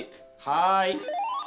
はい。